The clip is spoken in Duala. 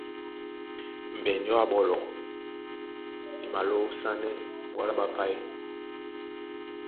Mbenju a ɓoɓé e malóúsánɛ́ ɓwǎla ɓwá páí.